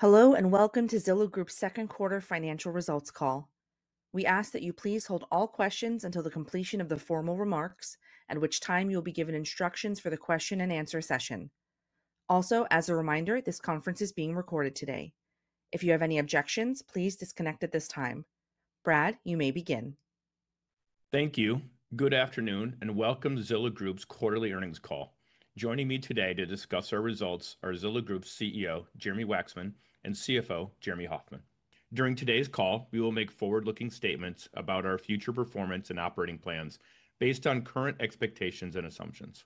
Hello and welcome to Zillow Group second quarter financial results call. We ask that you please hold all questions until the completion of the formal remarks, at which time you will be given instructions for the question and answer session. Also, as a reminder, this conference is being recorded today. If you have any objections, please disconnect at this time. Brad, you may begin. Thank you. Good afternoon and welcome to Zillow Group's quarterly earnings call. Joining me today to discuss our results are Zillow Group CEO Jeremy Wacksman and CFO Jeremy Hofmann. During today's call, we will make forward-looking statements about our future performance and operating plans based on current expectations and assumptions.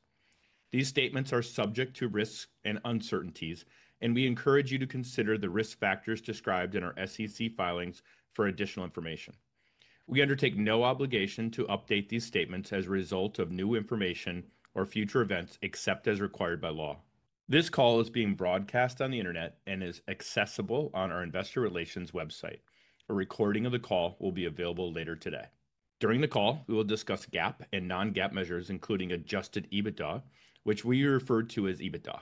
These statements are subject to risks and uncertainties, and we encourage you to consider the risk factors described in our SEC filings for additional information. We undertake no obligation to update these statements as a result of new information or future events, except as required by law. This call is being broadcast on the Internet and is accessible on our investor relations website. A recording of the call will be available later today. During the call, we will discuss GAAP and non-GAAP measures, including adjusted EBITDA, which we refer to as EBITDA.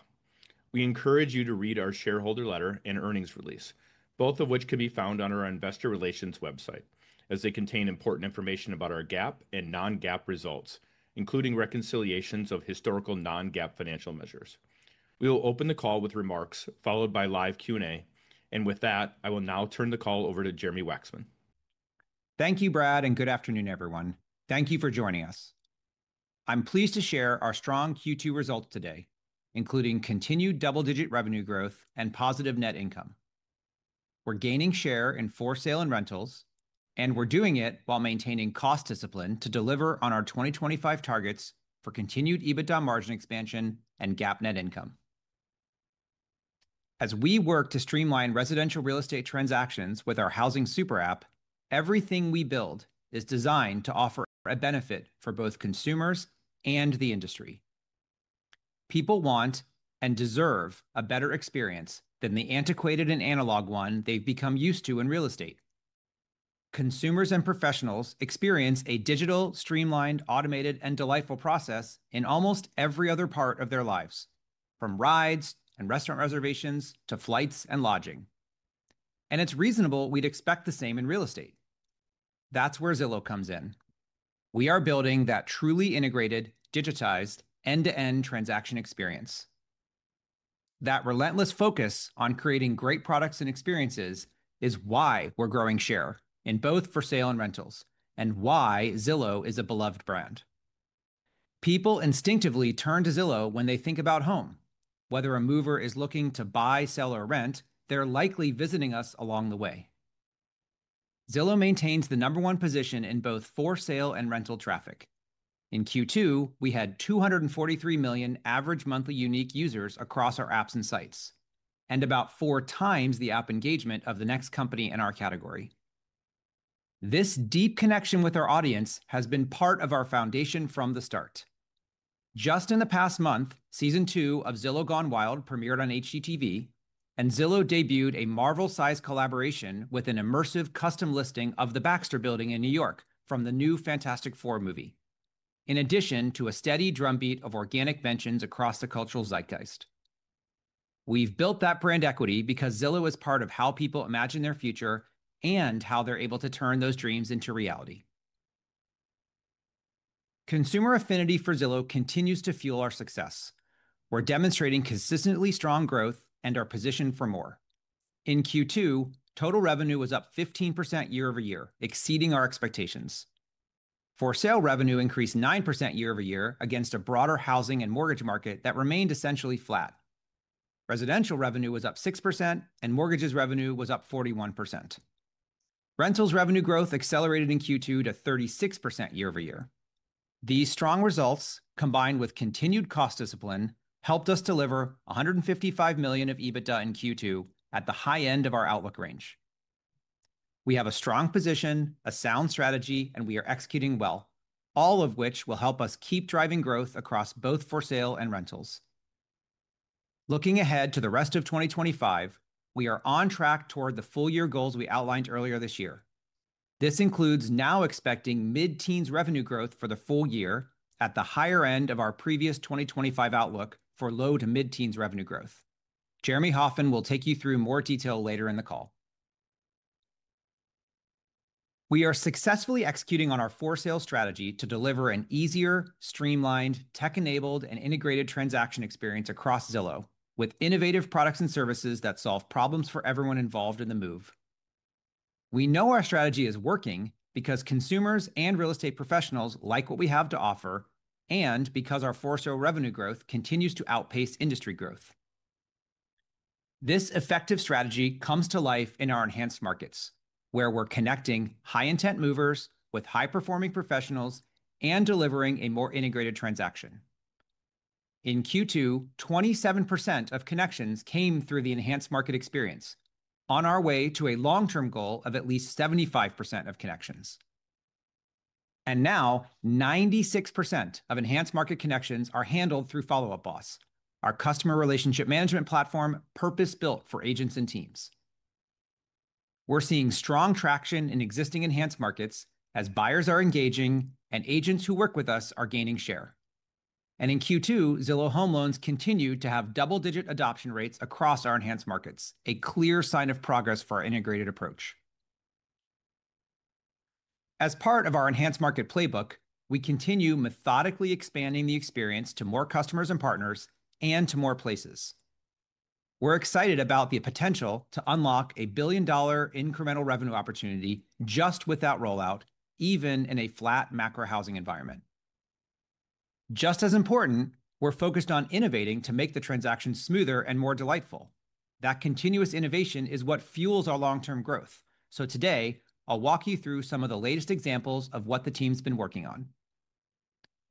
We encourage you to read our shareholder letter and earnings release, both of which can be found on our investor relations website, as they contain important information about our GAAP and non-GAAP results, including reconciliations of historical non-GAAP financial measures. We will open the call with remarks followed by live Q&A, and with that, I will now turn the call over to Jeremy Wacksman. Thank you, Brad. Good afternoon everyone. Thank you for joining us. I'm pleased to share our strong Q2 results today, including continued double-digit revenue growth and positive net income. We're gaining share in for sale and rentals, and we're doing it while maintaining cost discipline to deliver on our 2025 targets for continued EBITDA margin expansion and GAAP net income as we work to streamline residential real estate transactions with our housing super app. Everything we build is designed to offer a benefit for both consumers and the industry. People want and deserve a better experience than the antiquated and analog one they've become used to in real estate. Consumers and professionals experience a digital, streamlined, automated, and delightful process in almost every other part of their lives, from rides and restaurant reservations to flights and lodging. It's reasonable we'd expect the same in real estate. That's where Zillow comes in. We are building that truly integrated, digitized, end-to-end transaction experience. That relentless focus on creating great products and experiences is why we're growing share in both for sale and rentals and why Zillow is a beloved brand. People instinctively turn to Zillow when they think about home. Whether a mover is looking to buy, sell, or rent, they're likely visiting us along the way. Zillow maintains the number one position in both for sale and rental traffic. In Q2, we had 243 million average monthly unique users across our apps and sites and about 4x the app engagement of the next company in our category. This deep connection with our audience has been part of our foundation from the start. Just in the past month, season two of Zillow Gone Wild premiered on HGTV, and Zillow debuted a Marvel-sized collaboration with an immersive custom listing of the Baxter Building in New York from the new Fantastic Four movie, in addition to a steady drumbeat of organic mentions across the cultural zeitgeist. We've built that brand equity because Zillow is part of how people imagine their future and how they're able to turn those dreams into reality. Consumer affinity for Zillow continues to fuel our success. We're demonstrating consistently strong growth and are positioned for more. In Q2, total revenue was up 15% year-over-year, exceeding our expectations. For sale revenue increased 9% year-over-year against a broader housing and mortgage market that remained essentially flat. Residential revenue was up 6% and mortgages revenue was up 41%. Rentals revenue growth accelerated in Q2 to 36% year-over-year. These strong results, combined with continued cost discipline, helped us deliver $155 million of EBITDA in Q2 at the high end of our outlook range. We have a strong position, a sound strategy, and we are executing well, all of which will help us keep driving growth across both for sale and rentals. Looking ahead to the rest of 2025, we are on track toward the full year goals we outlined earlier this year. This includes now expecting mid-teens revenue growth for the full year. At the higher end of our previous 2025 outlook for low to mid-teens revenue growth, Jeremy Hofmann will take you through more detail later in the call. We are successfully executing on our for sale strategy to deliver an easier, streamlined, tech-enabled, and integrated transaction experience across Zillow with innovative products and services that solve problems for everyone involved in the move. We know our strategy is working because consumers and real estate professionals like what we have to offer and because our for sale revenue growth continues to outpace industry growth. This effective strategy comes to life in our enhanced markets where we're connecting high intent movers with high performing professionals and delivering a more integrated transaction. In Q2, 27% of connections came through the enhanced market experience on our way to a long-term goal of at least 75% of connections, and now 96% of enhanced market connections are handled through Follow Up Boss, our customer relationship management platform. Purpose-built for agents and teams, we're seeing strong traction in existing enhanced markets as buyers are engaging and agents who work with us are gaining share. In Q2, Zillow Home Loans continued to have double-digit adoption rates across our enhanced markets, a clear sign of progress for our integrated approach. As part of our enhanced market playbook, we continue methodically expanding the experience to more customers and partners and to more places. We're excited about the potential to unlock $1 billion incremental revenue opportunity just with that rollout, even in a flat macro housing environment. Just as important, we're focused on innovating to make the transaction smoother and more delightful. That continuous innovation is what fuels our long-term growth. Today I'll walk you through some of the latest examples of what the team's been working on.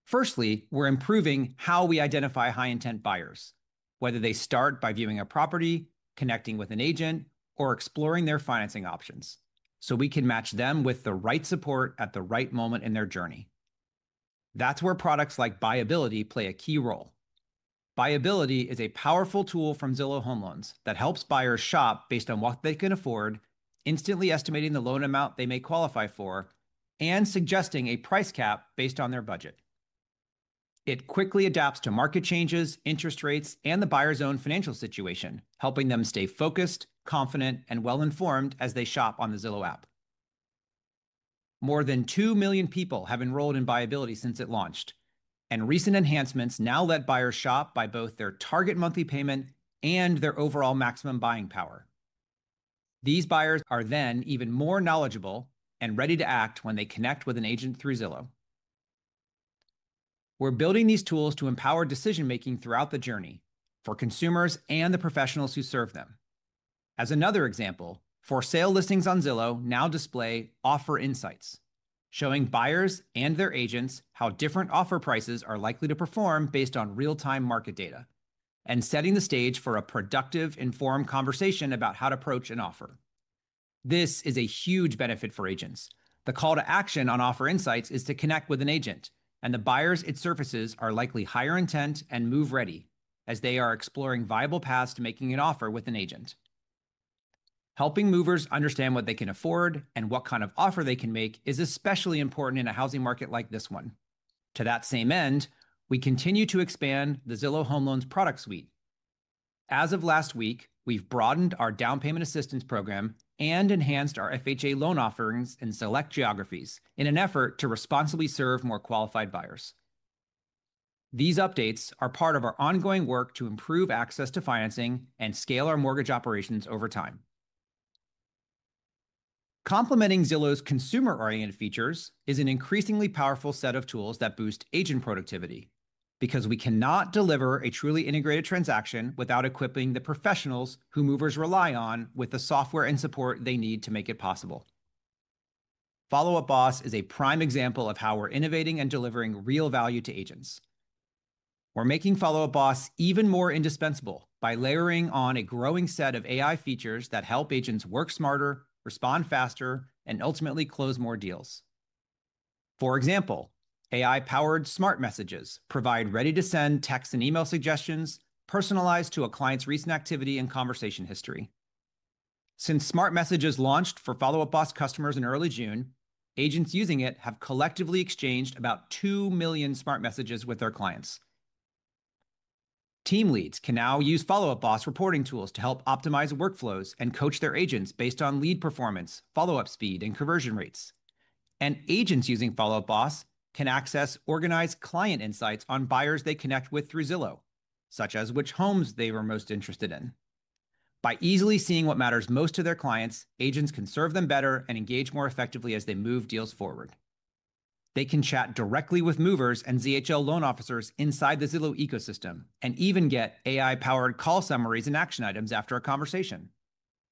Firstly, we're improving how we identify high intent buyers, whether they start by viewing a property, connecting with an agent, or exploring their financing options so we can match them with the right support at the right moment in their journey. That's where products like BuyAbility play a key role. BuyAbility is a powerful tool from Zillow Home Loans that helps buyers shop based on what they can afford, instantly estimating the loan amount they may qualify for and suggesting a price cap based on their budget. It quickly adapts to market changes, interest rates, and the buyer's own financial situation, helping them stay focused, confident, and well informed as they shop on the Zillow app. More than 2 million people have enrolled in BuyAbility since it launched, and recent enhancements now let buyers shop by both their target monthly payment and their overall maximum buying power. These buyers are then even more knowledgeable and ready to act when they connect with an agent. Through Zillow, we're building these tools to empower decision making throughout the journey for consumers and the professionals who serve them. As another example, for sale listings on Zillow now display Offer Insights, showing buyers and their agents how different offer prices are likely to perform based on real time market data and setting the stage for a productive, informed conversation about how to approach an offer. This is a huge benefit for agents. The call to action on Offer Insights is to connect with an agent, and the buyers it surfaces are likely higher intent and move ready as they are exploring viable paths to making an offer with an agent. Helping movers understand what they can afford and what kind of offer they can make is especially important in a housing market like this one. To that same end, we continue to expand the Zillow Home Loans product suite. As of last week, we've broadened our down payment assistance program and enhanced our FHA loan offerings in select geographies in an effort to responsibly serve more qualified buyers. These updates are part of our ongoing work to improve access to financing and scale our mortgage operations over time. Complementing Zillow's consumer oriented features is an increasingly powerful set of tools that boost agent productivity. Because we cannot deliver a truly integrated transaction without equipping the professionals who movers rely on with the software and support they need to make it possible, Follow Up Boss is a prime example of how we're innovating and delivering real value to agents. We're making Follow Up Boss even more indispensable by layering on a growing set of AI features that help agents work smarter, respond faster, and ultimately close more deals. For example, AI-powered smart messages provide ready-to-send text and email suggestions personalized to a client's recent activity and conversation history. Since Smart Messages launched for Follow Up Boss customers in early June, agents using it have collectively exchanged about 2 million smart messages with their clients. Team leads can now use Follow Up Boss reporting tools to help optimize workflows and coach their agents based on lead performance, follow-up speed, and conversion rates. Agents using Follow Up Boss can access organized client insights on buyers they connect with through Zillow, such as which homes they were most interested in. By easily seeing what matters most to their clients, agents can serve them better and engage more effectively as they move deals forward. They can chat directly with movers and ZHL loan officers inside the Zillow ecosystem and even get AI-powered call summaries and action items after a conversation.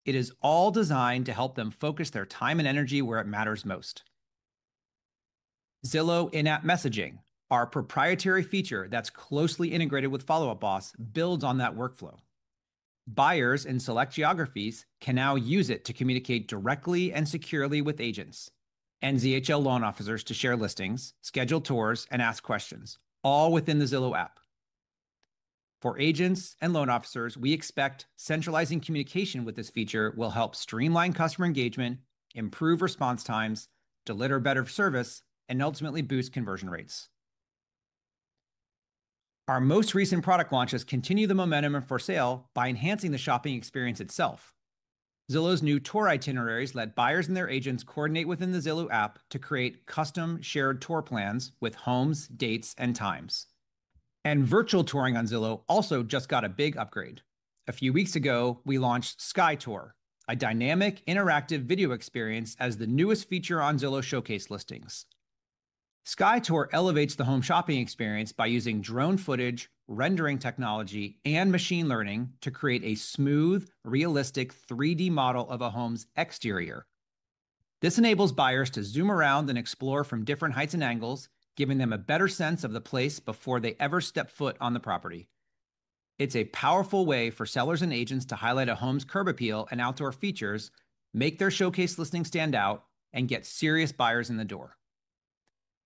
It is all designed to help them focus their time and energy where it matters most. Zillow in-app messaging, our proprietary feature that's closely integrated with Follow Up Boss, builds on that workflow. Buyers in select geographies can now use it to communicate directly and securely with agents and ZHL loan officers, to share listings, schedule tours, and ask questions all within the Zillow app for agents and loan officers. We expect centralizing communication with this feature will help streamline customer engagement, improve response times, deliver better service, and ultimately boost conversion rates. Our most recent product launches continue the momentum for sale by enhancing the shopping experience itself. Zillow's new tour itineraries let buyers and their agents coordinate within the Zillow app to create custom shared tour plans with homes, dates, and times and virtual touring on. Zillow also just got a big upgrade. A few weeks ago we launched SkyTour, a dynamic interactive video experience, as the newest feature on Zillow Showcase listings. SkyTour elevates the home shopping experience by using drone footage, rendering technology, and machine learning to create a smooth, realistic 3D model of a home's exterior. This enables buyers to zoom around and explore from different heights and angles, giving them a better sense of the place before they ever step foot on the property. It's a powerful way for sellers and agents to highlight a home's curb appeal and outdoor features, make their Showcase listings stand out, and get serious buyers in the door.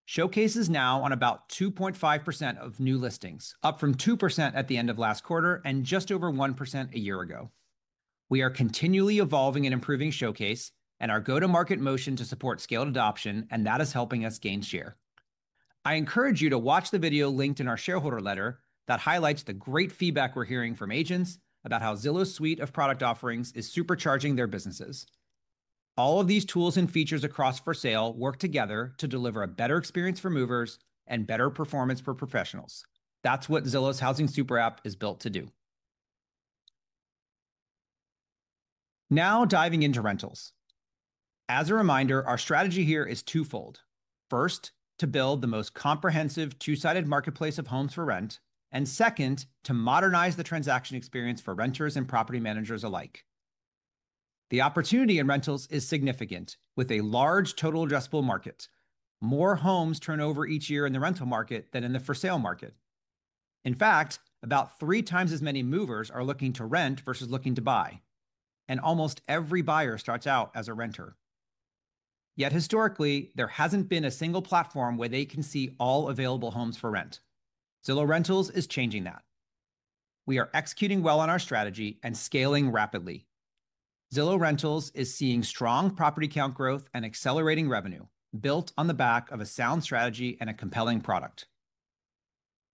Showcase is now on about 2.5% of new listings, up from 2% at the end of last quarter and just over 1% a year ago. We are continually evolving and improving Showcase and our go-to-market motion to support scaled adoption, and that is helping us gain shareholders. I encourage you to watch the video linked in our shareholder letter that highlights the great feedback we're hearing from agents about how Zillow's suite of product offerings is supercharging their businesses. All of these tools and features across for sale work together to deliver a better experience for movers and better performance for professionals. That's what Zillow's housing super app is built to do. Now, diving into rentals. As a reminder, our strategy here is twofold. First, to build the most comprehensive two-sided marketplace of homes for rent, and second, to modernize the transaction experience for renters and property managers alike. The opportunity in rentals is significant. With a large total addressable market, more homes turn over each year in the rental market than in the for sale market. In fact, about 3x as many movers are looking to rent versus looking to buy. Almost every buyer starts out as a renter. Yet historically, there hasn't been a single platform where they can see all available homes for rent. Zillow rentals is changing that. We are executing well on our strategy and scaling rapidly. Zillow rentals is seeing strong property count growth and accelerating revenue. Built on the back of a sound strategy and a compelling product,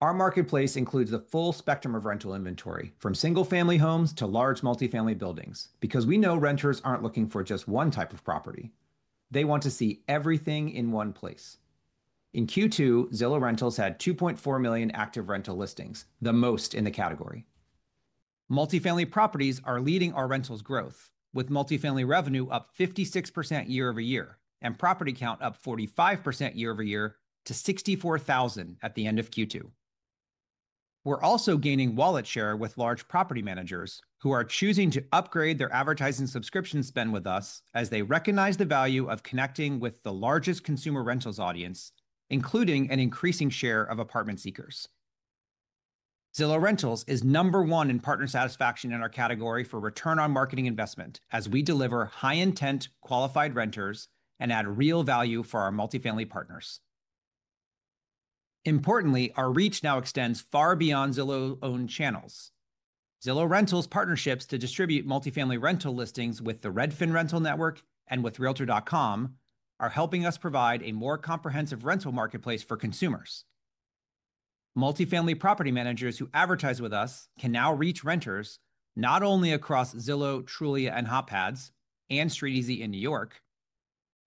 our marketplace includes a full spectrum of rental inventory from single family homes to large multifamily buildings. We know renters aren't looking for just one type of property; they want to see everything in one place. In Q2, Zillow rentals had 2.4 million active rental listings, the most in the category. Multifamily properties are leading our rentals growth, with multifamily revenue up 56% year-over-year and property count up 45% year-over-year to 64,000 at the end of Q2. We're also gaining wallet share with large property managers who are choosing to upgrade their advertising subscription spend with us as they recognize the value of connecting with the largest consumer rentals audience, including an increasing share of apartment seekers. Zillow rentals is number one in partner satisfaction in our category for return on marketing investment as we deliver high intent qualified renters and add real value for our multifamily partners. Importantly, our reach now extends far beyond Zillow-owned channels. Zillow rentals partnerships to distribute multifamily rental listings with the Redfin rental network and with realtor.com are helping us provide a more comprehensive rental marketplace for consumers. Multifamily property managers who advertise with us can now reach renters not only across Zillow, Trulia, HotPads, and StreetEasy in New York,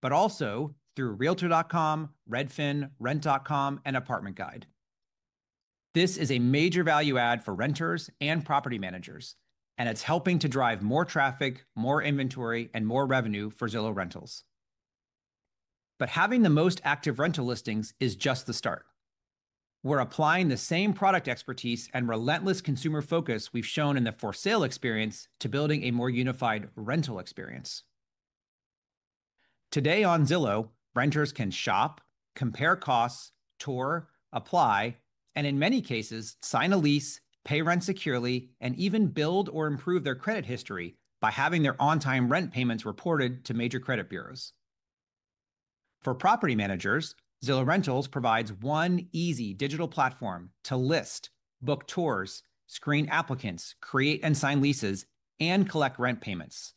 but also through realtor.com, Redfin, rent.com, and Apartment Guide. This is a major value add for renters and property managers, and it's helping to drive more traffic, more inventory, and more revenue for Zillow rentals. Having the most active rental listings is just the start. We're applying the same product expertise and relentless consumer focus we've shown in the for sale experience to building a more unified rental experience. Today on Zillow, renters can shop, compare costs, tour, apply and in many cases sign a lease, pay rent securely and even build or improve their credit history by having their on time rent payments reported to major credit bureaus. For property managers, Zillow rentals provides one easy digital platform to list, book tours, screen applicants, create and sign leases, and collect rent payments.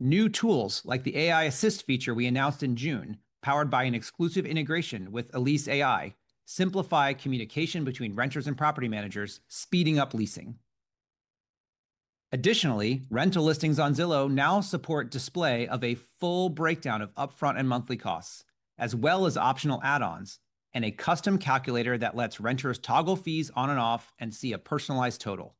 New tools like the AI Assist feature we announced in June, powered by an exclusive integration with Elise AI, simplify communication between renters and property managers, speeding up leasing. Additionally, rental listings on Zillow now support display of a full breakdown of upfront and monthly costs as well as optional add-ons and a custom calculator that lets renters toggle fees on and off and see a personalized total.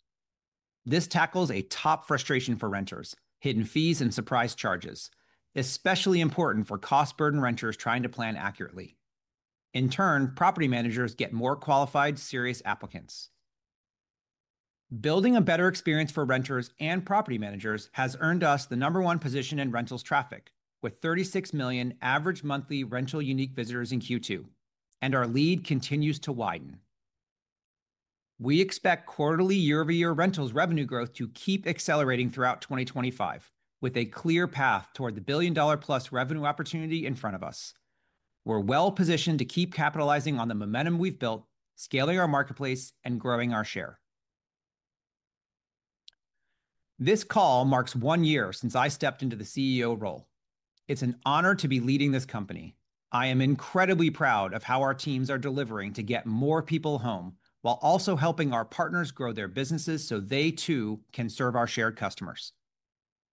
This tackles a top frustration for renters: hidden fees and surprise charges, especially important for cost-burdened renters trying to plan accurately. In turn, property managers get more qualified, serious applicants. Building a better experience for renters and property managers has earned us the number one position in rentals traffic with 36 million average monthly rental unique visitors in Q2, and our lead continues to widen. We expect quarterly year-over-year rentals revenue growth to keep accelerating throughout 2025. With a clear path toward the billion dollar plus revenue opportunity in front of us, we're well positioned to keep capitalizing on the momentum we've built, scaling our marketplace and growing our share. This call marks one year since I stepped into the CEO role. It's an honor to be leading this company. I am incredibly proud of how our teams are delivering to get more people home while also helping our partners grow their businesses so they too can serve our shared customers.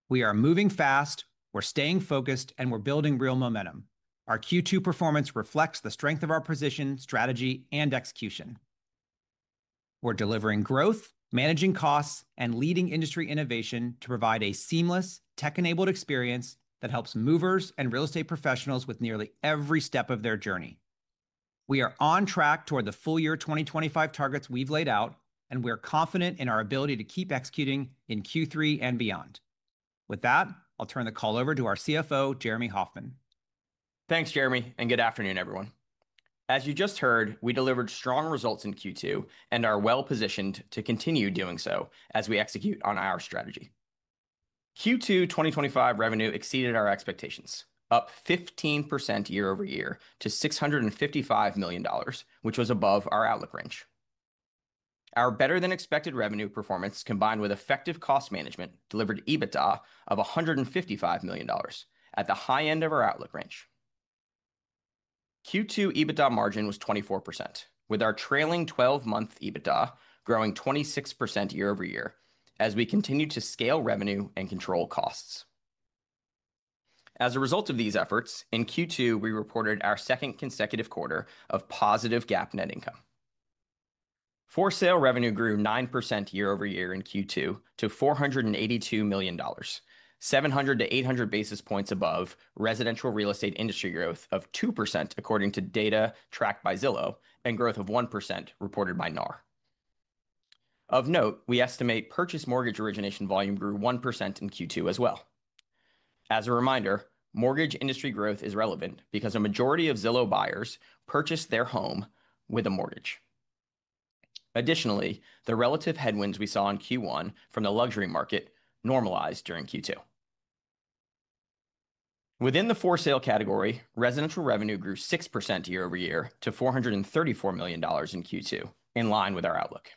We are moving fast, we're staying focused and we're building real momentum. Our Q2 performance reflects the strength of our position, strategy and execution. We're delivering growth, managing costs and leading industry innovation to provide a seamless tech-enabled experience that helps movers and real estate professionals with nearly every step of their journey. We are on track toward the full year 2025 targets we've laid out, and we're confident in our ability to keep executing in Q3 and beyond. With that, I'll turn the call over to our CFO Jeremy Hofmann. Thanks Jeremy and good afternoon everyone. As you just heard, we delivered strong results in Q2 and are well positioned to continue doing so as we execute on our strategy. Q2 2025 revenue exceeded our expectations, up 15% year-over-year to $655 million, which was above our outlook range. Our better than expected revenue performance combined with effective cost management delivered EBITDA of $155 million at the high end of our outlook range. Q2 EBITDA margin was 24%, with our trailing 12 month EBITDA growing 26% year-over-year as we continue to scale revenue and control costs. As a result of these efforts in Q2, we reported our second consecutive quarter of positive GAAP net income. For sale revenue grew 9% year-over-year in Q2 to $482 million, 700-800 basis points above residential real estate industry growth of 2% according to data tracked by Zillow and growth of 1% reported by Redfin. Of note, we estimate purchase mortgage origination volume grew 1% in Q2 as well. As a reminder, mortgage industry growth is relevant because a majority of Zillow buyers purchase their home with a mortgage. Additionally, the relative headwinds we saw in Q1 from the luxury market normalized during Q2 within the for sale category. Residential revenue grew 6% year-over-year to $434 million in Q2, in line with our outlook.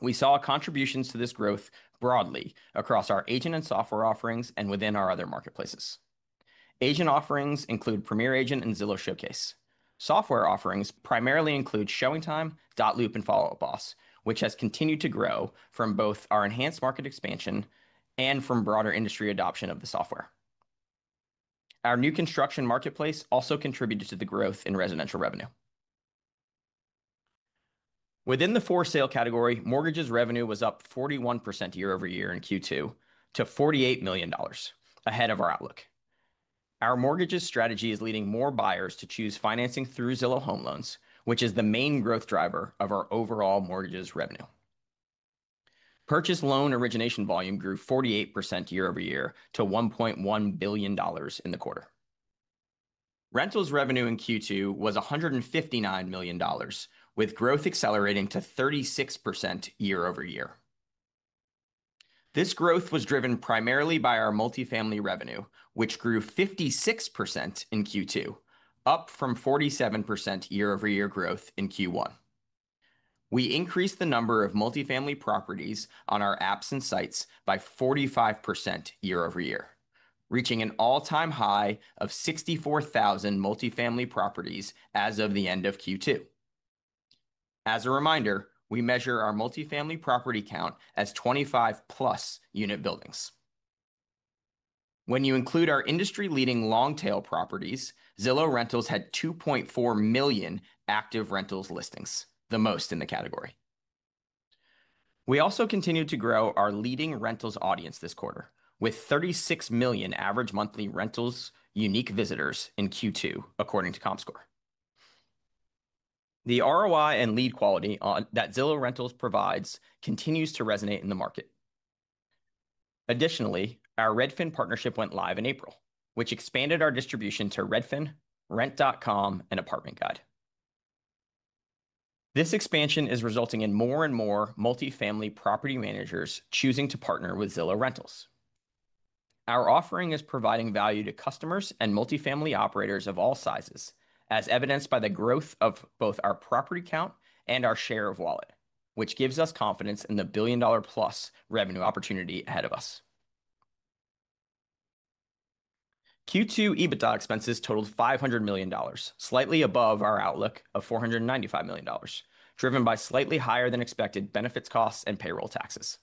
We saw contributions to this growth broadly across our agent and software offerings and within our other marketplaces. Agent offerings include Premier Agent and Zillow Showcase. Software offerings primarily include ShowingTime, dotloop, and Follow Up Boss, which has continued to grow from both our enhanced market expansion and from broader industry adoption of the software. Our new construction marketplace also contributed to the growth in residential revenue within the for sale category. Mortgages revenue was up 41% year-over-year in Q2 to $48 million, ahead of our outlook. Our mortgages strategy is leading more buyers to choose financing through Zillow Home Loans, which is the main growth driver of our overall mortgages revenue. Purchase loan origination volume grew 48% year-over-year to $1.1 billion in the quarter. Rentals revenue in Q2 was $159 million, with growth accelerating to 36% year-over-year. This growth was driven primarily by our multifamily revenue, which grew 56% in Q2, up from 47% year-over-year growth in Q1. We increased the number of multifamily properties on our apps and sites by 45% year-over-year, reaching an all-time high of 64,000 multifamily properties as of the end of Q2. As a reminder, we measure our multifamily property count as 25+ unit buildings when you include our industry-leading long tail properties. Zillow rentals had 2.4 million active rentals listings, the most in the category. We also continued to grow our leading rentals audience this quarter with 36 million average monthly rentals unique visitors in Q2 according to Comscore. The ROI and lead quality that Zillow rentals provides continues to resonate in the market. Additionally, our Redfin partnership went live in April, which expanded our distribution to Redfin, rent.com, and Apartment Guide. This expansion is resulting in more and more multifamily property managers choosing to partner with Zillow rentals. Our offering is providing value to customers and multifamily operators of all sizes as evidenced by the growth of both our property count and our share of wallet, which gives us confidence in the billion dollar plus revenue opportunity ahead of us. Q2 EBITDA expenses totaled $500 million, slightly above our outlook of $495 million, driven by slightly higher than expected benefits, costs, and payroll taxes.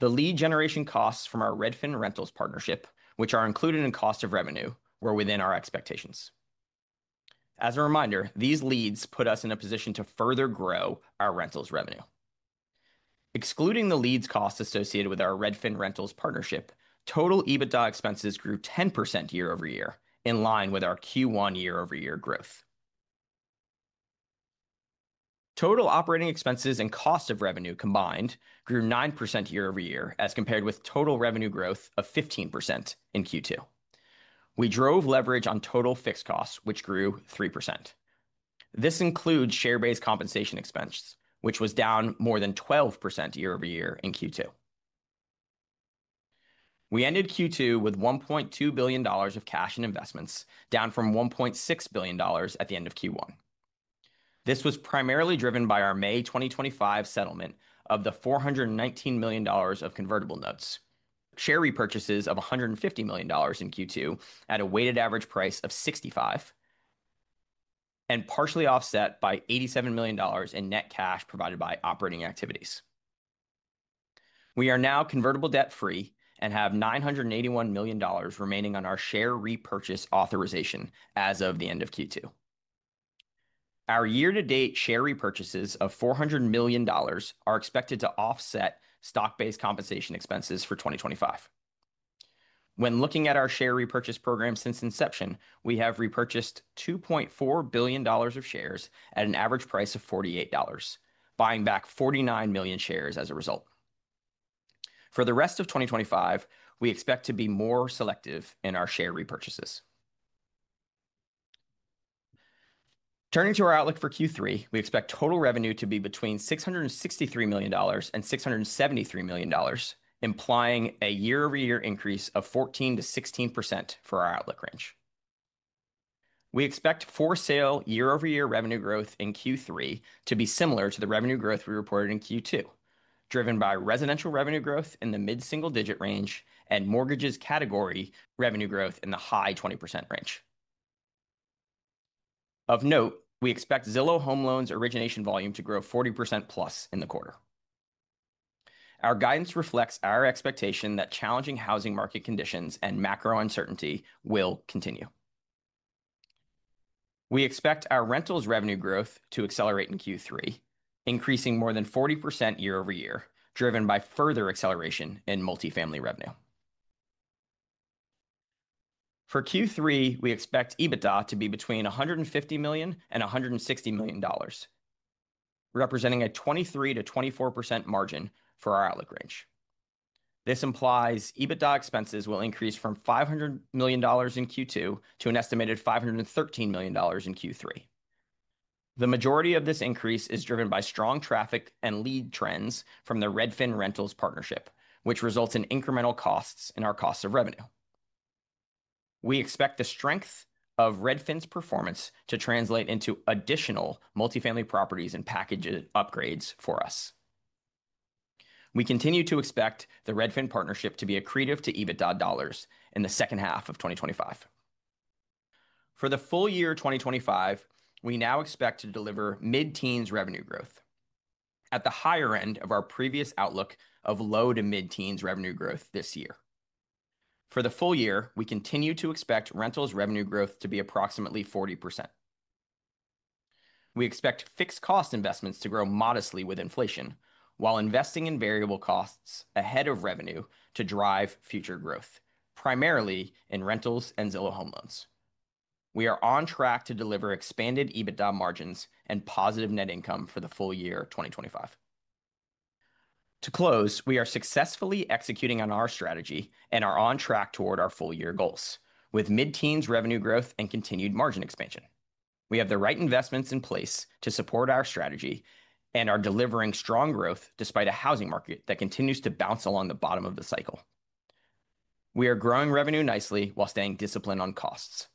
The lead generation costs from our Redfin rentals partnership, which are included in cost of revenue, were within our expectations. As a reminder, these leads put us in a position to further grow our rentals revenue. Excluding the leads costs associated with our Redfin rentals partnership, total EBITDA expenses grew 10% year-over-year, in line with our Q1 year-over-year growth. Total operating expenses and cost of revenue combined grew 9% year-over-year as compared with total revenue growth of 15% in Q2. We drove leverage on total fixed costs, which grew 3%. This includes share-based compensation expense, which was down more than 12% year-over-year in Q2. We ended Q2 with $1.2 billion of cash and investments, down from $1.6 billion at the end of Q1. This was primarily driven by our May 2025 settlement of the $419 million of convertible notes, share repurchases of $150 million in Q2 at a weighted average price of $65, and partially offset by $87 million in net cash provided by operating activities. We are now convertible debt free and have $981 million remaining on our share repurchase authorization as of the end of Q2. Our year to date share repurchases of $400 million are expected to offset stock-based compensation expenses for 2025. When looking at our share repurchase program since inception, we have repurchased $2.4 billion of shares at an average price of $48, buying back 49 million shares. As a result, for the rest of 2025 we expect to be more selective in our share repurchases. Turning to our outlook for Q3, we expect total revenue to be between $663 million and $673 million, implying a year-over-year increase of 14%-16% for our outlook range. We expect for sale year-over-year revenue growth in Q3 to be similar to the revenue growth we reported in Q2, driven by residential revenue growth in the mid-single-digit range and mortgages category revenue growth in the high 20% range. Of note, we expect Zillow Home Loans origination volume to grow 40%+ in the quarter. Our guidance reflects our expectation that challenging housing market conditions and macro uncertainty will continue. We expect our rentals revenue growth to accelerate in Q3, increasing more than 40% year-over-year, driven by further acceleration in multifamily revenue. For Q3, we expect EBITDA to be between $150 million and $160 million, representing a 23%-24% margin for our outlook range. This implies EBITDA expenses will increase from $500 million in Q2 to an estimated $513 million in Q3. The majority of this increase is driven by strong traffic and lead trends from the Redfin rentals partnership, which results in incremental costs. In our cost of revenue, we expect the strength of Redfin's performance to translate into additional multifamily properties and package upgrades for us. We continue to expect the Redfin partnership to be accretive to EBITDA dollars in the second half of 2025. For the full year 2025, we now expect to deliver mid-teens revenue growth at the higher end of our previous outlook of low to mid-teens revenue growth this year. For the full year, we continue to expect rentals revenue growth to be approximately 40%. We expect fixed cost investments to grow modestly with inflation while investing in variable costs ahead of revenue to drive future growth, primarily in rentals and Zillow Home Loans. We are on track to deliver expanded EBITDA margins and positive net income for the full year 2025. To close, we are successfully executing on our strategy and are on track toward our full year goals. With mid-teens revenue growth and continued margin expansion, we have the right investments in place to support our strategy and are delivering strong growth despite a housing market that continues to bounce along the bottom of the cycle. We are growing revenue nicely while staying disciplined on costs,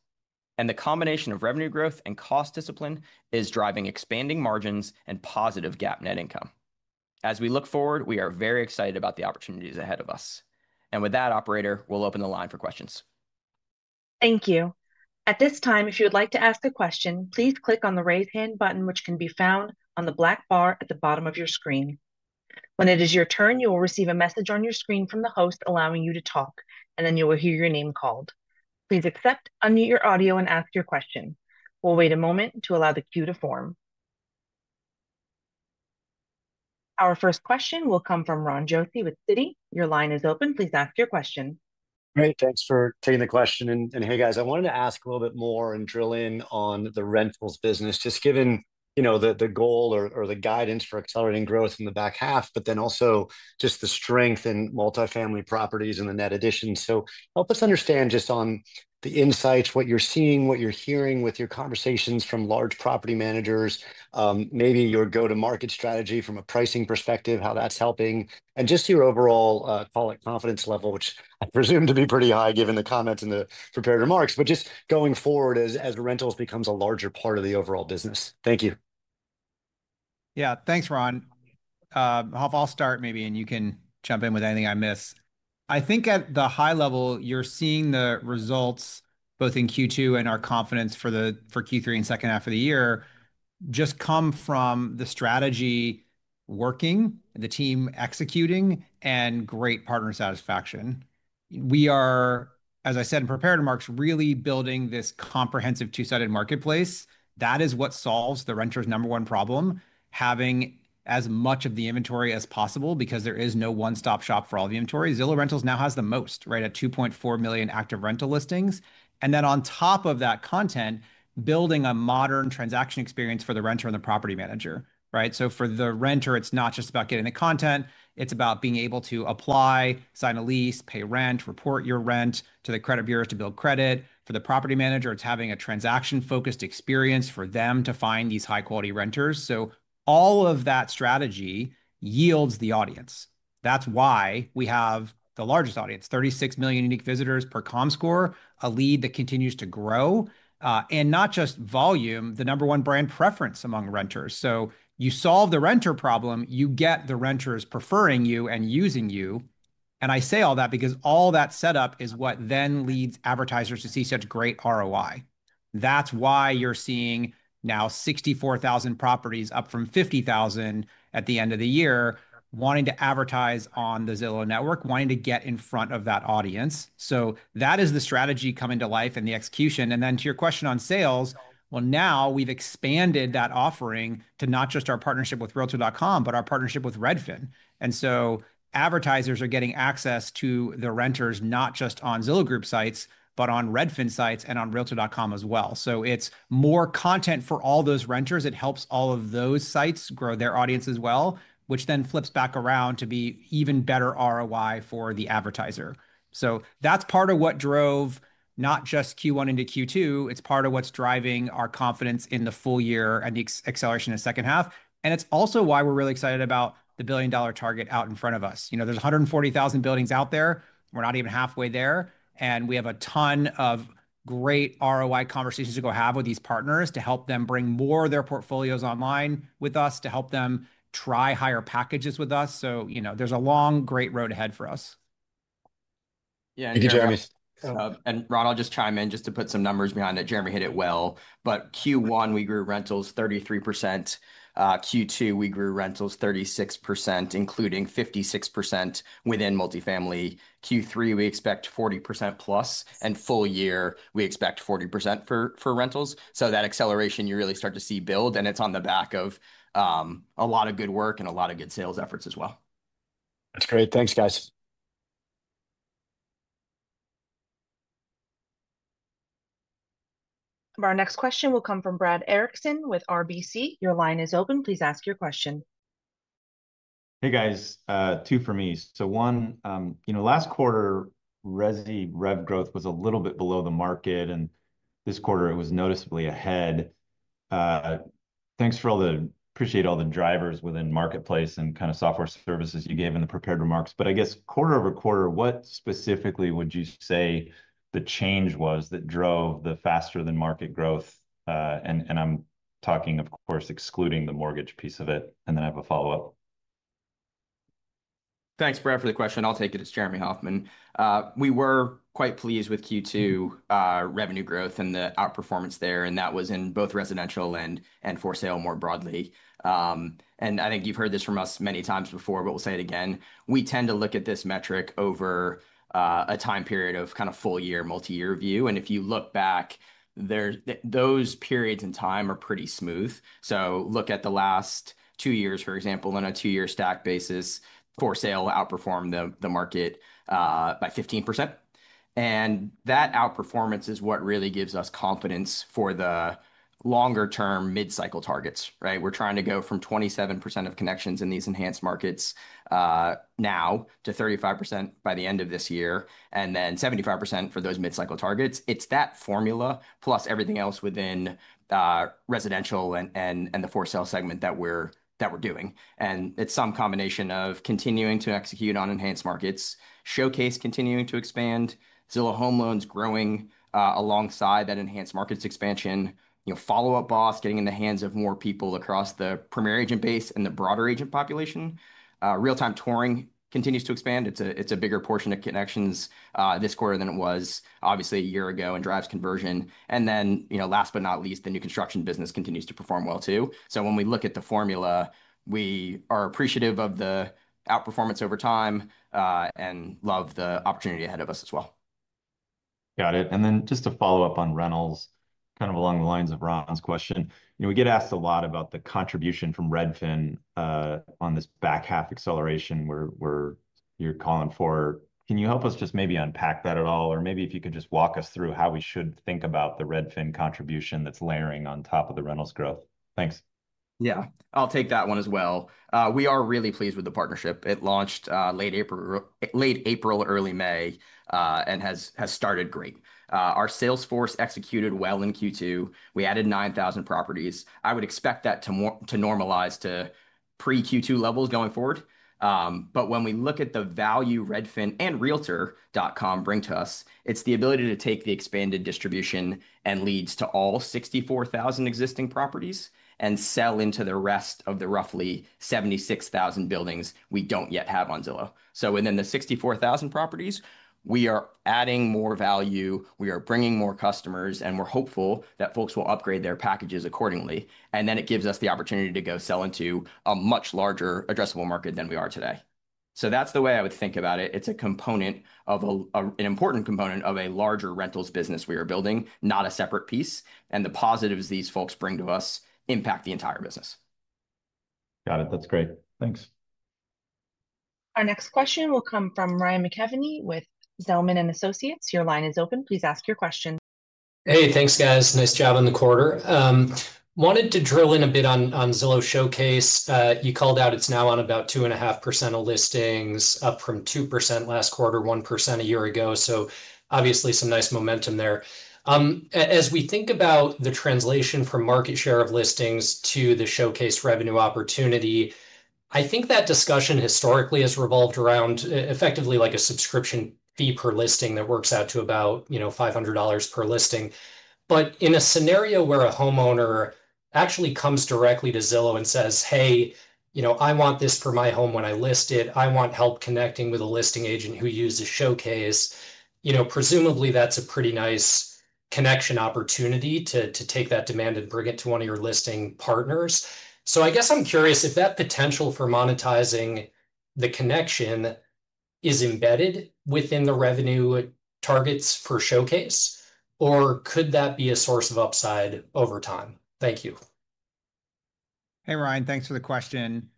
and the combination of revenue growth and cost discipline is driving expanding margins and positive GAAP net income. As we look forward, we are very excited about the opportunities ahead of us, and with that, operator, we'll open the line for questions. Thank you. At this time, if you would like to ask a question, please click on the raise hand button, which can be found on the black bar at the bottom of your screen. When it is your turn, you will receive a message on your screen from the host allowing you to talk, and then you will hear your name called. Please accept, unmute your audio, and ask your question. We'll wait a moment to allow the queue to form. Our first question will come from Ron Josey with Citi. Your line is open. Please ask your question. Great. Thanks for taking the question. Hey guys, I wanted to ask a little bit more and drill in on the rentals business given the goal or the guidance for accelerating growth in the back half, but then also just the strength in multifamily properties and the net addition. Help us understand just on the insights, what you're seeing, what you're hearing. With your conversations from large property managers, maybe your go to market strategy from a pricing perspective, how that's helping, and just your overall, call it, confidence level, which I presume to be pretty high given the comments and the prepared remarks. Just going forward as rentals becomes a larger part of the overall business. Thank you. Yeah, thanks, Ron. Hoff, I'll start maybe and you can jump in with anything I miss. I think at the high level you're seeing the results both in Q2 and our confidence for Q3 and second half of the year just come from the strategy working, the team executing, and great partner satisfaction. We are, as I said in prepared remarks, really building this comprehensive two-sided marketplace. That is what solves the renter's number one problem, having as much of the inventory as possible, because there is no one-stop shop for all the inventory. Zillow rentals now has the most, right at 2.4 million active rental listings. On top of that, content building a modern transaction experience for the renter and the property manager. For the renter, it's not just about getting the content, it's about being able to apply, sign a lease, pay rent, report your rent to the credit bureau to build credit. For the property manager, it's having a transaction-focused experience for them to find these high-quality renters. All of that strategy yields the audience. That's why we have the largest audience, 36 million unique visitors per Comscore, a lead that continues to grow, and not just volume, the number one brand preference among renters. You solve the renter problem, you get the renters preferring you and using you. I say all that because all that setup is what then leads advertisers to see such great ROI. That's why you're seeing now 64,000 properties, up from 50,000 at the end of the year, wanting to advertise on the Zillow network, wanting to get in front of that audience. That is the strategy coming to life and the execution. To your question on sales, now we've expanded that offering to not just our partnership with realtor.com, but our partnership with Redfin. Advertisers are getting access to the renters, not just on Zillow Group sites, but on Redfin sites and on realtor.com as well. It's more content for all those renters. It helps all of those sites grow their audience as well, which then flips back around to be even better ROI for the advertiser. That is part of what drove not just Q1 into Q2, it's part of what's driving our confidence in the full year and the acceleration in the second half. It's also why we're really excited about the billion dollar target out in front of us. You know there's 140,000 buildings out there. We're not even halfway there. We have a ton of great ROI conversations to go have with these partners to help them bring more of their portfolios online with us, to help them try higher packages with us. You know there's a long great road ahead for us. Thank you, Jeremy and Ron. I'll just chime in just to put some numbers behind it. Jeremy hit it well. Q1 we grew rentals 33%. Q2 we grew rentals 36%, including 56% within multifamily. Q3 we expect 40%+, and full year we expect 40% for rentals. That acceleration you really start to see build, and it's on the back of a lot of good work and a lot of good sales efforts as well. That's great. Thanks, guys. Our next question will come from Brad Erickson with RBC. Your line is open. Please ask your question. Hey guys, two for me. One, you know last quarter Resi rev growth was a little bit below the market, and this quarter it was noticeably ahead. Thanks for all the appreciate all the drivers within marketplace and kind of software services you gave in the prepared remarks. I guess quarter-over-quarter, what specifically would you say the change was that drove the faster than market growth? I'm talking of course excluding the mortgage piece of it. I have a follow up. Thanks, Brad, for the question. I'll take it as Jeremy Hofmann. We were quite pleased with Q2 revenue growth and the outperformance there, and that was in both residential and for sale more broadly. I think you've heard this from us many times before, but we'll say it again. We tend to look at this metric over a time period of kind of full year, multi-year view, and if you look back there, those periods in time are pretty smooth. Look at the last two years, for example. On a two-year stack basis, for sale outperformed the market by 15%, and that outperformance is what really gives us confidence for the longer-term mid-cycle targets. Right. We're trying to go from 27% of connections in these enhanced markets now to 35% by the end of this year and then 75% for those mid-cycle targets. It's that formula plus everything else within residential and the for sale segment that we're doing. It's some combination of continuing to execute on enhanced markets, Showcase, continuing to expand, Zillow Home Loans growing alongside that enhanced markets expansion. You know, Follow Up Boss getting in the hands of more people across the Premier Agent base and the broader agent population. Real-time touring continues to expand. It's a bigger portion of connections this quarter than it was obviously a year ago and drives conversion. Last but not least, the new construction business continues to perform well too. When we look at the formula, we are appreciative of the outperformance over time and love the opportunity ahead of us as well. Got it. Just to follow up on rentals, kind of along the lines of Ron's question, we get asked a lot about the contribution from Redfin on this back half acceleration where you're calling for. Can you help us just maybe unpack that at all? Maybe if you could just walk us through how we should think about the Redfin contribution that's layering on top of the rentals growth. Thanks. Yeah, I'll take that one as well. We are really pleased with the partnership. It launched late April, early May and has started great. Our salesforce executed well in Q2. We added 9,000 properties. I would expect that to normalize to pre-Q2 levels going forward. When we look at the value Redfin and realtor.com bring to us, it's the ability to take the expanded distribution and leads to all 64,000 existing properties and sell into the rest of the roughly 76,000 buildings we don't yet have on Zillow. Within the 64,000 properties we are adding more value, we are bringing more customers and we're hopeful that folks will upgrade their packages accordingly. It gives us the opportunity to go sell into a much larger addressable market than we are today. That's the way I would think about it. It's a component of an important component of a larger rentals business we are building, not a separate piece. The positives these folks bring to us impact the entire business. Got it. That's great. Thanks. Our next question will come from Ryan McKeveny with Zelman & Associates. Your line is open. Please ask your question. Hey, thanks guys. Nice job on the quarter. Wanted to drill in a bit on Zillow Showcase. You called out it's now on about 2.5% of listings, up from 2% last quarter, 1% a year ago. Obviously some nice momentum there. As we think about the translation from market share of listings to the Showcase revenue opportunity, I think that discussion historically has revolved around effectively, like a subscription fee per listing that works out to about $500 per listing. In a scenario where a homeowner actually comes directly to Zillow and says, hey, you know, I want this for my home when I list it, I want help connecting with a listing agent who uses Showcase, presumably that's a pretty nice connection opportunity to take that demand and bridge it to one of your listing partners. I guess I'm curious if that potential for monetizing the connection is embedded within the revenue targets for Showcase, or could that be a source of upside over time? Thank you. Hey, Ryan, thanks for the question.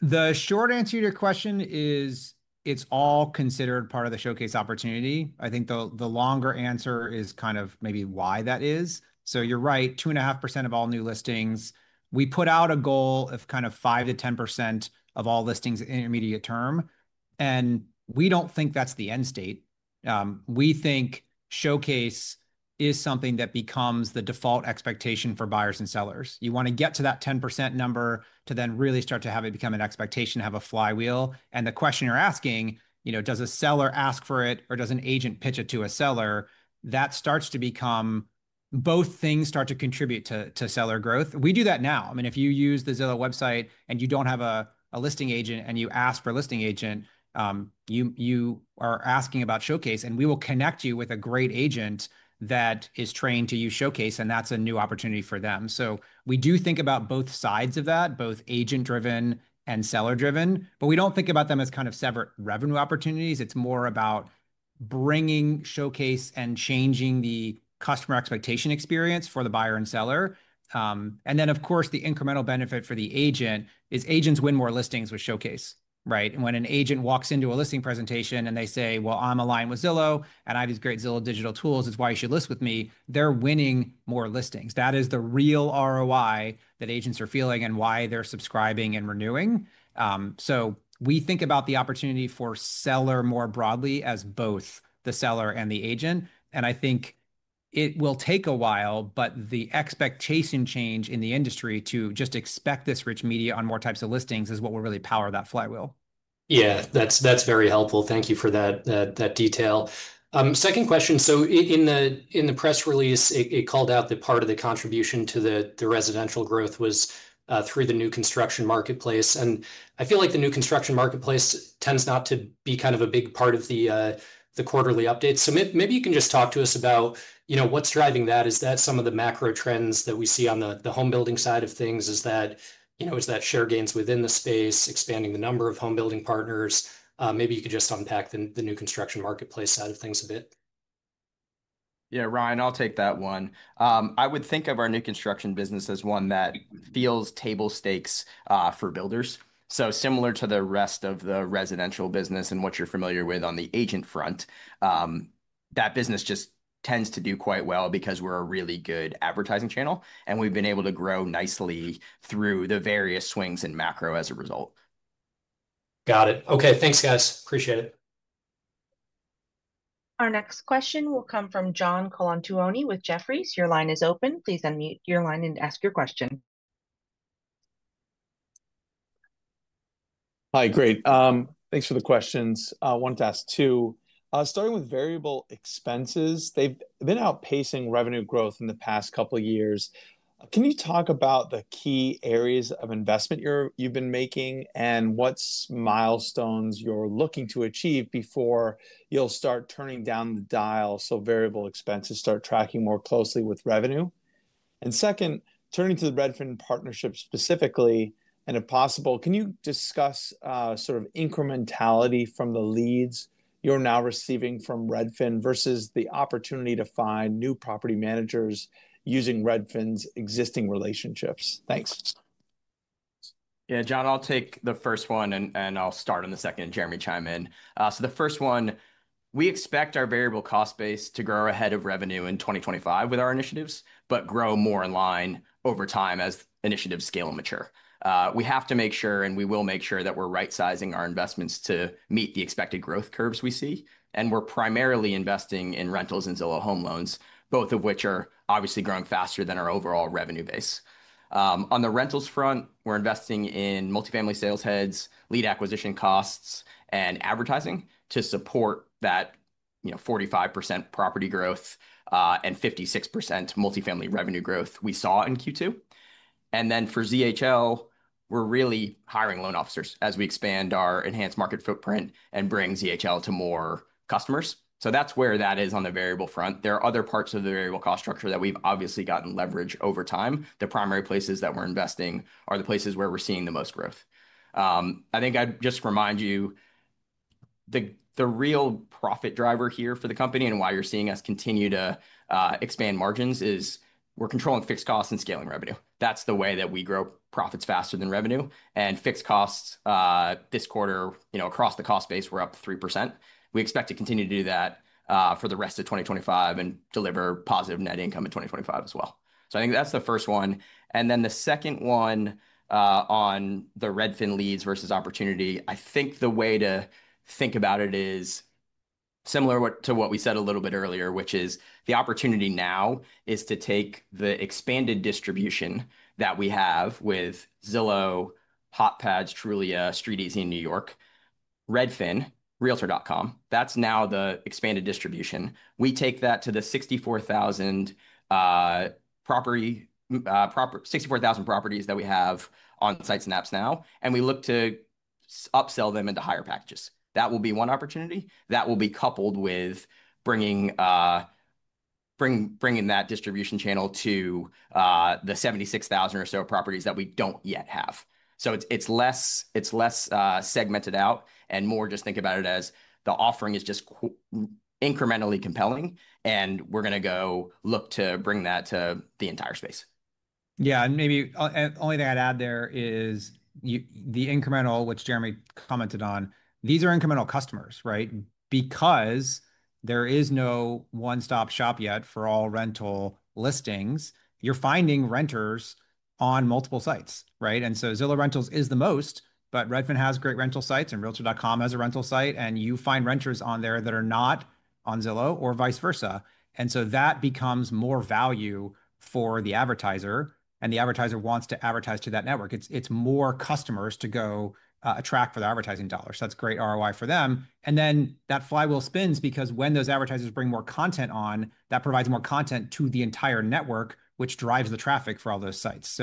The short answer to your question is it's all considered part of the Showcase opportunity. I think the longer answer is kind of maybe why that is. You're right. 2.5% of all new listings, we put out a goal of kind of 5%-10% of all listings intermediate term. We don't think that's the end state. We think Showcase is something that becomes the default expectation for buyers and sellers. You want to get to that 10% number, to then really start to have it become an expectation, have a flywheel. The question you're asking, you know, does a seller ask for it or does an agent pitch it to a seller? That starts to become both things start to contribute to seller growth. We do that now. If you use the Zillow website and you don't have a listing agent and you ask for a listing agent, you are asking about Showcase. We will connect you with a great agent that is trained to use Showcase and that's a new opportunity for them. We do think about both sides of that, both agent driven and seller driven, but we don't think about them as kind of separate revenue opportunities. It's more about bringing Showcase and changing the customer expectation experience for the buyer and seller. Of course, the incremental benefit for the agent is agents win more listings with Showcase. Right? When an agent walks into a listing presentation and they say, I'm aligned with Zillow and I have these great Zillow digital tools is why you should list with me, they're winning more listings. That is the real ROI that agents are feeling and why they're subscribing and renewing. We think about the opportunity for seller more broadly as both the seller and the agent, and I think it will take a while, but the expectation change in the industry to just expect this rich media on more types of listings is what will really power that flywheel. Yeah, that's very helpful. Thank you for that detail. Second question. In the press release, it called out that part of the contribution to the residential growth was through the new construction marketplace. I feel like the new construction marketplace tends not to be kind of a big part of the quarterly updates. Maybe you can just talk to us about what's driving that. Is that some of the macro trends that we see on the home building side of things? Is that share gains within the space, expanding the number of home building partners? Maybe you could just unpack the new construction marketplace side of things a bit. Yeah, Ryan, I'll take that one. I would think of our new construction business as one that feels table stakes for builders, so similar to the rest of the residential business and what you're familiar with on the agent front. That business just tends to do quite well because we're a really good advertising channel, and we've been able to grow nicely through the various swings in macro as a result. Got it. Okay. Thanks, guys. Appreciate it. Our next question will come from John Colantuoni with Jefferies. Your line is open. Please unmute your line and ask your question. Hi. Great, thanks for the questions. I wanted to ask two. Starting with variable expenses, they've been outpacing revenue growth in the past couple years. Can you talk about the key areas of investment you've been making and what milestones you're looking to achieve before you'll start turning down the dial, so variable expenses start tracking more closely with revenue? Second, turning to the Redfin partnership specifically, can you discuss sort of incrementality from the leads you're now receiving from Redfin versus the opportunity to find new property managers using Redfin's existing relationships? Thanks. Yeah, John, I'll take the first one and I'll start on the second. Jeremy, chime in. The first one, we expect our variable cost base to grow ahead of revenue in 2025 with our initiatives, but grow more in line over time as initiatives scale mature. We have to make sure, and we will make sure that we're right sizing our investments to meet the expected growth curves we see. We're primarily investing in rentals and Zillow Home Loans, both of which are obviously growing faster than our overall revenue base. On the rentals front, we're investing in multifamily sales heads, lead acquisition costs, and advertising to support that. You know, 45% property growth and 56% multifamily revenue growth we saw in Q2. For ZHL, we're really hiring loan officers as we expand our enhanced market footprint and bring ZHL to more customers. That's where that is on the variable front. There are other parts of the variable cost structure that we've obviously gotten leverage over time. The primary places that we're investing are the places where we're seeing the most growth. I'd just remind you the real profit driver here for the company and why you're seeing us continue to expand margins is we're controlling fixed costs and scaling revenue. That's the way that we grow profits faster than revenue, and fixed costs this quarter across the cost base were up 3%. We expect to continue to do that for the rest of 2025 and deliver positive net income in 2025 as well. I think that's the first one and then the second one on the Redfin leads versus opportunity. I think the way to think about it is similar to what we said a little bit earlier, which is the opportunity now is to take the expanded distribution that we have with Zillow, HotPads, Trulia, StreetEasy in New York, Redfin, realtor.com, that's now the expanded distribution. We take that to the 64,000 property. Property, 64,000 properties that we have on sites and apps now, and we look to upsell them into higher packages. That will be one opportunity that will be coupled with bringing that distribution channel to the 76,000 or so properties that we don't yet have. It's less segmented out and more just think about it as the offering is just incrementally compelling, and we're going to go look to bring that to the entire space. Yeah. Maybe the only thing I'd add there is the incremental, which Jeremy commented on. These are incremental customers, right, because there is no one stop shop yet for all rental listings. You're finding renters on multiple sites, right, and Zillow rentals is the most. Redfin has great rental sites and realtor.com has a rental site, and you find renters on there that are not on Zillow or vice versa. That becomes more value for the advertiser, and the advertiser wants to advertise to that network. It's more customers to go attract for the advertising dollars. That's great ROI for them. That flywheel spins because when those advertisers bring more content on, that provides more content to the entire network, which drives the traffic for all those sites.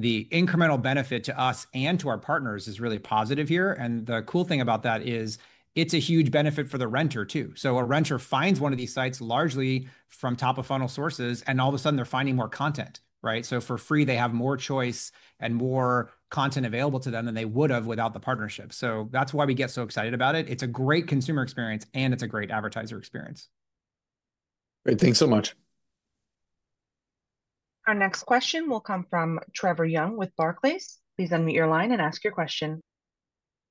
The incremental benefit to us and to our partners is really positive here. The cool thing about that is it's a huge benefit for the renter too. A renter finds one of these sites largely from top of funnel sources, and all of a sudden they're finding more content, right. For free, they have more choice and more content available to them than they would have without the partnership. That's why we get so excited about it. It's a great consumer experience and it's a great advertiser experience. Great, thanks so much. Our next question will come from Trevor Young with Barclays. Please unmute your line and ask your question.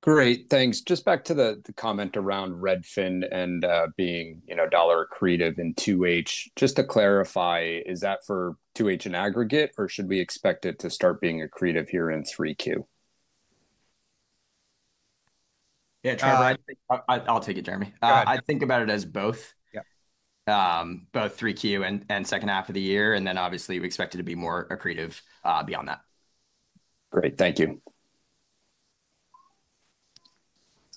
Great, thanks. Just back to the comment around Redfin. Being, you know, dollar accretive in 2H. Just to clarify, is that for 2H in aggregate, or should we expect it to start being accretive here in 3Q? I'll take it, Jeremy. I think about it as both. Yeah, both 3Q and second half of the year. Obviously, we expect it to be more accretive beyond that. Great, thank you.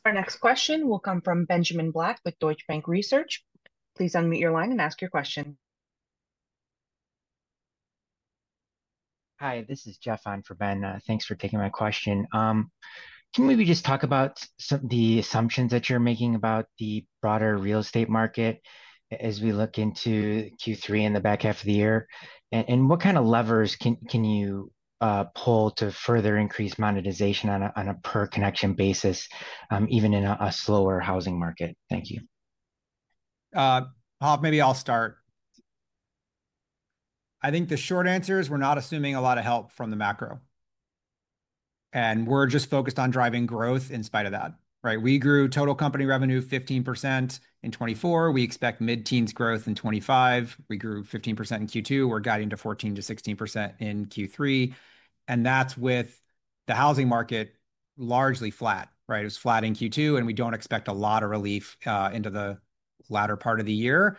Our next question will come from Benjamin Black with Deutsche Bank Research. Please unmute your line and ask your question. Hi, this is Jeff on for Ben. Thanks for taking my question. Can you maybe just talk about the assumptions that you're making about the broader real estate market as we look into Q3 and the back half of the year, and what kind of levers can you pull to further increase monetization on a per connection basis, even in a slower housing market? Thank you. Maybe I'll start. I think the short answer is we're not assuming a lot of help from the macro and we're just focused on driving growth in spite of that. Right. We grew total company revenue 15% in 2024. We expect mid-teens growth in 2025. We grew 15% in Q2. We're guiding to 14%-16% in Q3. That's with the housing market largely flat. Right. It was flat in Q2 and we don't expect a lot of relief into the latter part of the year.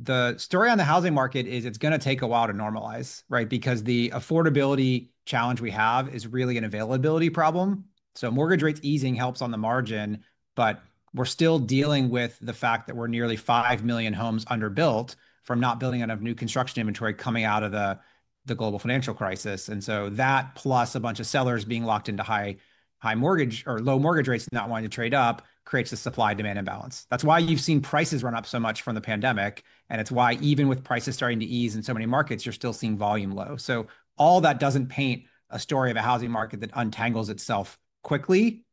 The story on the housing market is it's going to take a while to normalize. Right. Because the affordability challenge we have is really an availability problem. Mortgage rates easing helps on the margin, but we're still dealing with the fact that we're nearly 5 million homes under built from not building enough new construction inventory coming out of the global financial crisis. That plus a bunch of sellers being locked into high, high mortgage or low mortgage rates, not wanting to trade up creates a supply demand imbalance. That's why you've seen prices run up so much from the pandemic. It's why even with prices starting to ease in so many markets, you're still seeing volume low. All that doesn't paint a story of a housing market that untangles itself quickly.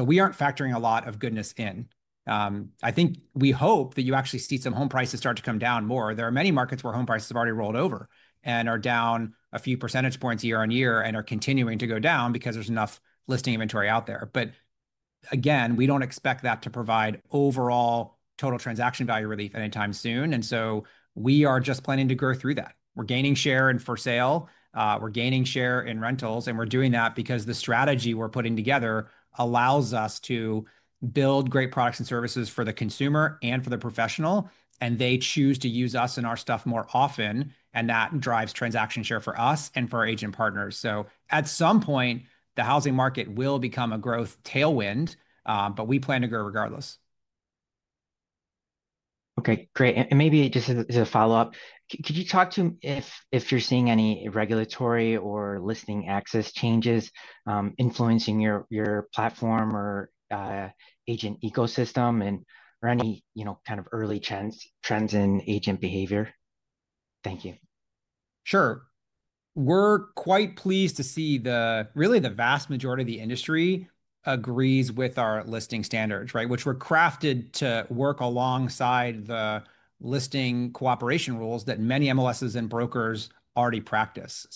We aren't factoring a lot of goodness in. I think we hope that you actually see some home prices start to come down more. There are many markets where home prices have already rolled over and are down a few percentage points year on year and are continuing to go down because there's enough listing inventory out there. Again, we don't expect that to provide overall total transaction value relief anytime soon. We are just planning to grow through that. We're gaining share in for sale. We're gaining share in rentals. We're doing that because the strategy we're putting together allows us to build great products and services for the consumer and for the professional and they choose to use us in our stuff more often. That drives transaction share for us and for our agent partners. At some point, the housing market will become a growth tailwind, but we plan to grow regardless. Okay, great. Maybe just as a follow up, could you talk to if you're seeing any regulatory or listing access changes influencing your platform or agent ecosystem, or any kind of early trends in agent behavior? Thank you. Sure. We're quite pleased to see the, really, the vast majority of the industry agrees with our listing standards, which were crafted to work alongside the listing cooperation rules that many MLSs and brokers already practice.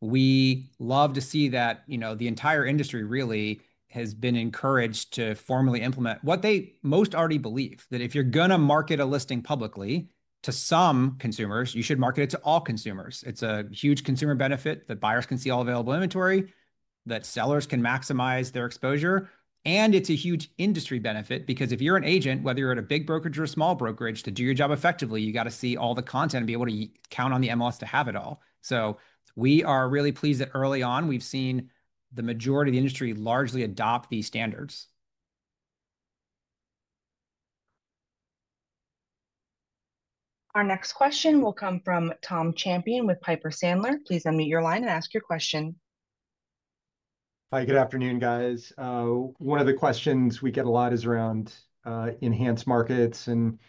We love to see that the entire industry really has been encouraged to formally implement what they most already believe, that if you're going to market a listing publicly to some consumers, you should market it to all consumers. It's a huge consumer benefit that buyers can see all available inventory, that sellers can maximize their exposure. It's a huge industry benefit because if you're an agent, whether you're at a big brokerage or a small brokerage, to do your job effectively, you got to see all the content and be able to count on the MLS to have it all. We are really pleased that early on we've seen the majority of the industry largely adopt these standards. Our next question will come from Tom Champion with Piper Sandler. Please unmute your line and ask your question. Hi, good afternoon, guys. One of the questions we get a lot is around enhanced markets, and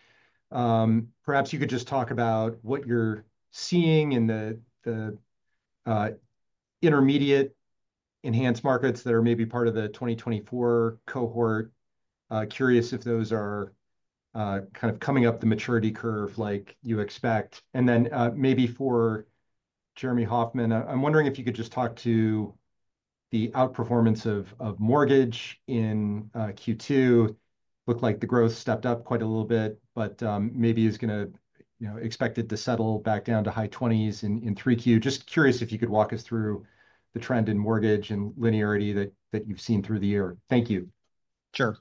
perhaps you could just talk about what you're seeing in the intermediate enhanced markets that are maybe part of the 2024 cohort. Curious if those are kind of coming up the maturity curve like you expect. Maybe for Jeremy Hofmann, I'm wondering if you could just talk to the outperformance of mortgage in Q2. Looked like the growth stepped up quite a little bit, but maybe is going to, you know, expected to settle back down to high 20% in 3Q. Just curious if you could walk us through the trend in mortgage and linearity that you've seen through the year. Thank you. Sure.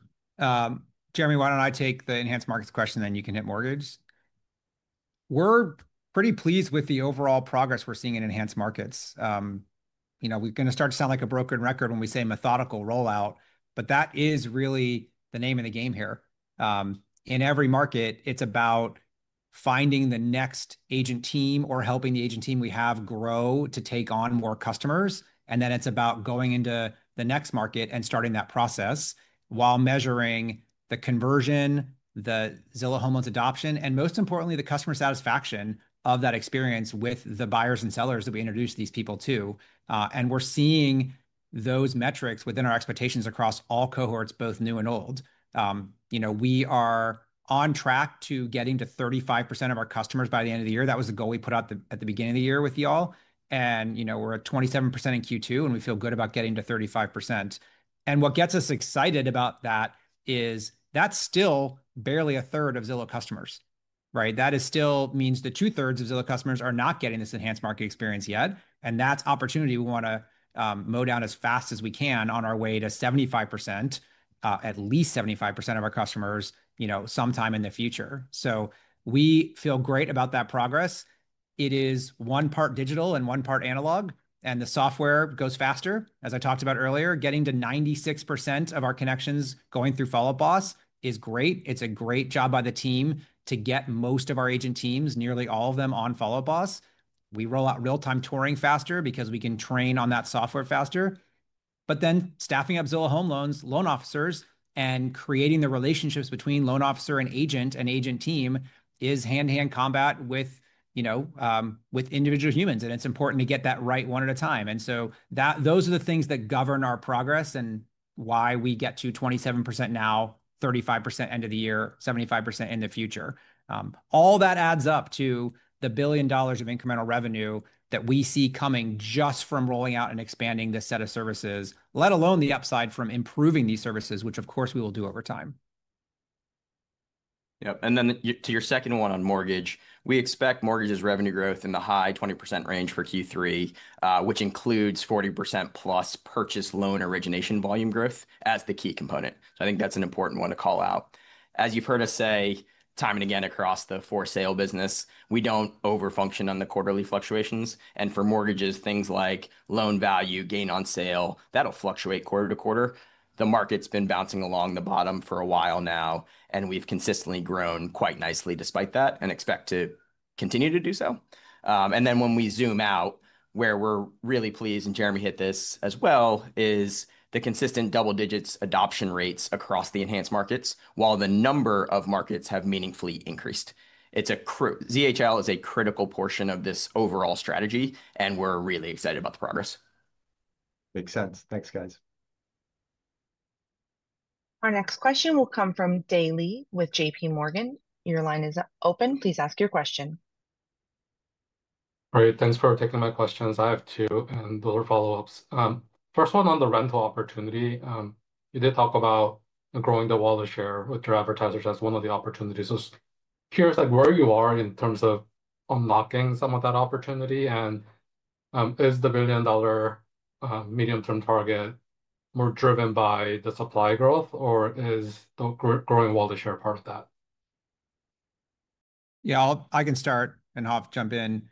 Jeremy, why don't I take the enhanced markets question, then you can hit mortgage. We're pretty pleased with the overall progress we're seeing in enhanced markets. We're going to start to sound like a broken record when we say methodical rollout, but that is really the name of the game here. In every market, it's about finding the next agent team or helping the agent team we have grow to take on more customers. It's about going into the next market and starting that process while measuring the conversion, the Zillow Home Loans adoption, and most importantly, the customer satisfaction of that experience with the buyers and sellers that we introduced these people to. We're seeing those metrics within our expectations across all cohorts, both new and old. We are on track to getting to 35% of our customers by the end of the year. That was a goal we put out at the beginning of the year with you all. We're at 27% in Q2 and we feel good about getting to 35%. What gets us excited about that is that's still barely 1/3 of Zillow customers. That still means that 2/3 of Zillow customers are not getting this enhanced market experience yet. That's opportunity. We want to mow down as fast as we can on our way to 75%, at least 75% of our customers, sometime in the future. We feel great about that progress. It is one part digital and one part analog and the software goes faster. As I talked about earlier, getting to 96% of our connections going through Follow Up Boss is great. It's a great job by the team to get most of our agent teams, nearly all of them, on Follow Up Boss. We roll out real time touring faster because we can train on that software faster. Staffing up Zillow Home Loans loan officers and creating the relationships between loan officer and agent and agent team is hand to hand combat with individual humans. It's important to get that right one at a time. Those are the things that govern our progress and why we get to 27% now, 35% end of the year, 75% in the future. All that adds up to the $1 billion of incremental revenue that we see coming just from rolling out and expanding this set of services, let alone the upside from improving these services, which of course we will do over time. Yep. To your second one on mortgage, we expect mortgages revenue growth in the high 20% range for Q3, which includes 40%+ purchase loan origination volume growth as the key component. I think that's an important one to call out. As you've heard us say time and again across the for sale business, we don't over function on the quarterly fluctuations, and for mortgages, things like loan value gain on sale will fluctuate quarter to quarter. The market's been bouncing along the bottom for a while now, and we've consistently grown quite nicely despite that and expect to continue to do so. When we zoom out, where we're really pleased, and Jeremy hit this as well, is the consistent double digits adoption rates across the enhanced markets. While the number of markets have meaningfully increased, it's a critical portion of this overall strategy, and we're really excited about the progress. Makes sense. Thanks, guys. Our next question will come from Dae Lee with JPMorgan. Your line is open. Please ask your question. All right, thanks for taking my questions. I have two and those are follow ups. First one on the rental opportunity. You did talk about growing the wallet share with your advertisers as one of the opportunities. Just curious where you are in terms of unlocking some of that opportunity. Is the $1 billion medium term target more driven by the supply growth or is the growing wallet share part of that? Yeah, I can start and Hof jump in.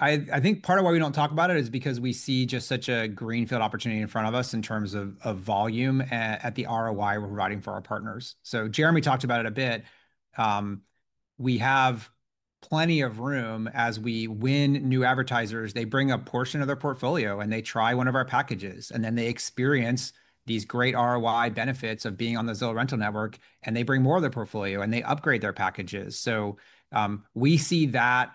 I think part of why we don't talk about it is because we see just such a greenfield opportunity in front of us in terms of volume, the ROI we're providing for our partners. Jeremy talked about it a bit. We have plenty of room as we win new advertisers, they bring a portion of their portfolio and they try one of our packages, and then they experience these great ROI benefits of being on the Zillow rental network and they bring more of their portfolio and they upgrade their packages. We see that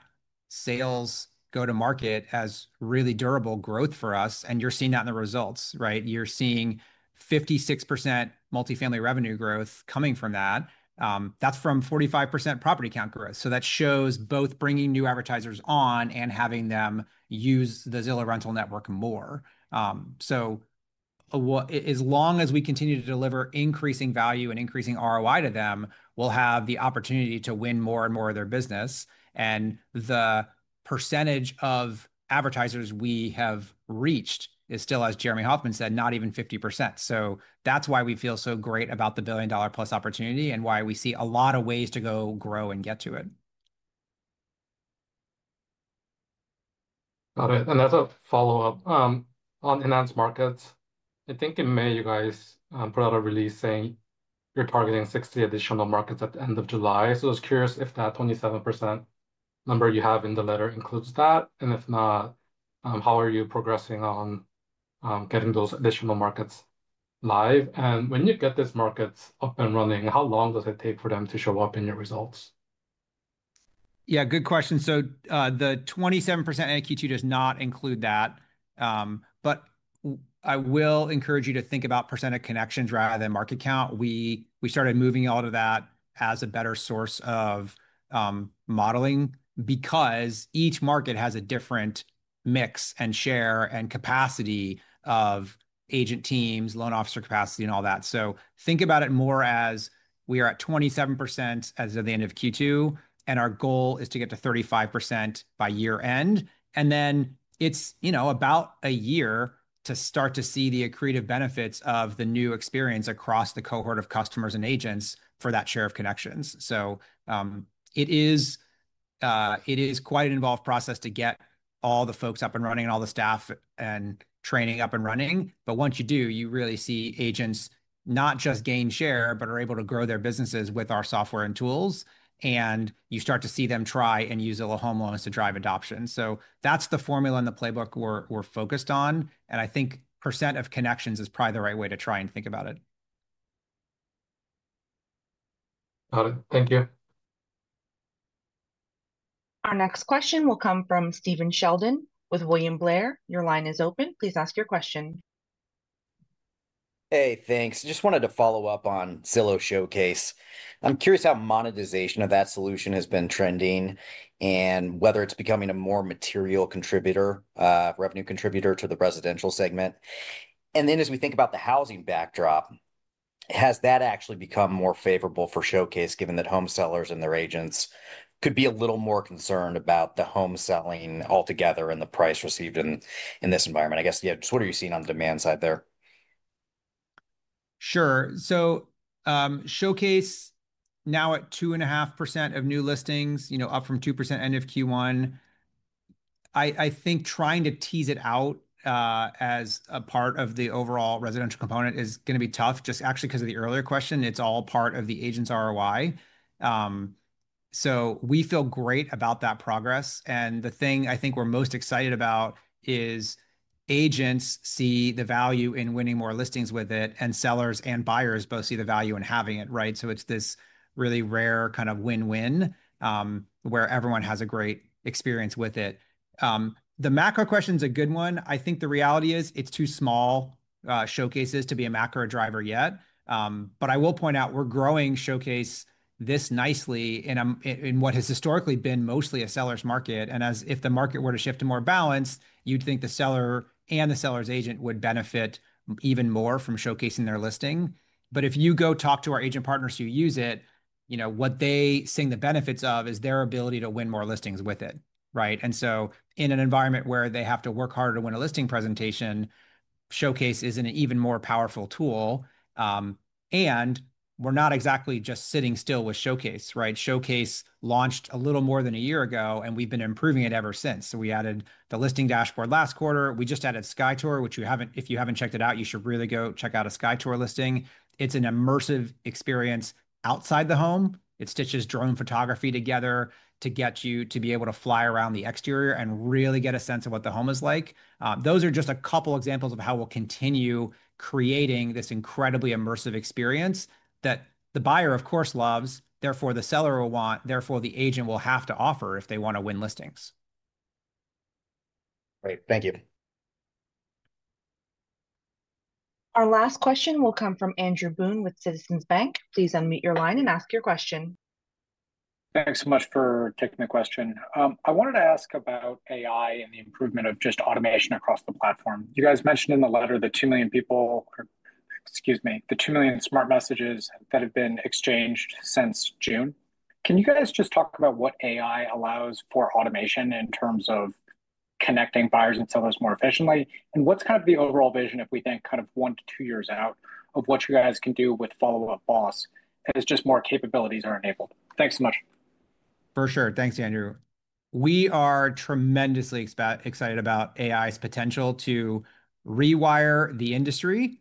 sales go to market as really durable growth for us. You're seeing that in the results, right? You're seeing 56% multifamily revenue growth coming from that. That's from 45% property count growth. That shows both bringing new advertisers on and having them use the Zillow rental network more. As long as we continue to deliver increasing value and increasing ROI to them, we'll have the opportunity to win more and more of their business. The percentage of advertisers we have reached is still, as Jeremy Hofmann said, not even 50%. That's why we feel so great about the billion dollar plus opportunity and why we see a lot of ways to go grow and get to it. Got it. As a follow up on enhanced markets, I think in May you guys put out a release saying you're targeting 60 additional markets at the end of July. I was curious if that 27% number you have in the letter includes that, and if not, how are you progressing on getting those additional markets live and when you get this market up and running, how long does it take for them to show up in your results? Yeah, good question. The 27% as of Q2 does not include that, but I will encourage you to think about percent of connections rather than market count. We started moving all of that as a better source of modeling because each market has a different mix and share and capacity of agent teams, loan officer capacity, and all that. Think about it more as we are at 27% as of the end of Q2 and our goal is to get to 35% by year end. It's about a year to start to see the accretive benefits of the new experience across the cohort of customers and agents for that share of connections. It is quite an involved process to get all the folks up and running and all the staff and training up and running. Once you do, you really see agents not just gain share, but are able to grow their businesses with our software and tools, and you start to see them try and use a home loans to drive adoption. That's the formula and the playbook we're focused on. I think percent of connections is probably the right way to try and think about it. Thank you. Our next question will come from Steven Sheldon with William Blair. Your line is open. Please ask your question. Hey, thanks. Just wanted to follow up on Zillow Showcase. I'm curious how monetization of that solution has been trending, and whether it's becoming a more material contributor, revenue contributor to the residential segment. As we think about the housing backdrop, has that actually become more favorable for Showcase, given that home sellers and their agents could be a little more concerned about the home selling altogether and the price received in this environment, yeah. What are you seeing on the demand side there? Sure. Showcase now at 2.5% of new listings, up from 2% end of Q1. I think trying to tease it out as a part of the overall residential component is going to be tough, just actually because of the earlier question. It's all part of the agent's ROI. We feel great about that progress. The thing I think we're most excited about is agents see the value in winning more listings with it, and sellers and buyers both see the value in having it. It's this really rare kind of win-win where everyone has a great experience with it. The macro question is a good one. The reality is it's too small, Showcase is, to be a macro driver yet. I will point out we're growing Showcase this nicely and in what has historically been mostly a seller's market. If the market were to shift to more balance, you'd think the seller and the seller's agent would benefit even more from showcasing their listing. If you go talk to our agent partners who use it, what they are seeing the benefits of is their ability to win more listings with it. In an environment where they have to work harder to win a listing presentation, Showcase is an even more powerful tool. We're not exactly just sitting still with Showcase. Showcase launched a little more than a year ago, and we've been improving it ever since. We added the listing dashboard last quarter. We just added SkyTour, which if you haven't checked it out, you should really go check out a SkyTour listing. It's an immersive experience outside the home. It stitches drone photography together to get you to be able to fly around the exterior and really get a sense of what the home is like. Those are just a couple examples of how we'll continue creating this incredibly immersive experience that the buyer, of course, loves, therefore the seller will want, therefore the agent will have to offer if they want to win listings. Great, thank you. Our last question will come from Andrew Boone with Citizens Bank. Please unmute your line and ask your question. Thanks so much for taking the question. I wanted to ask about AI and the improvement of just automation across the platform. You guys mentioned in the letter, the 2 million people, excuse me, the 2 million smart messages that have been exchanged since June. Can you guys just talk about what AI allows for automation in terms of connecting buyers and sellers more efficiently, and what's kind of the overall vision if we think kind of one to two years out of what you guys can do with Follow Up Boss as just more capabilities are enabled. Thanks so much for sure. Thanks, Andrew. We are tremendously excited about AI's potential to rewire the industry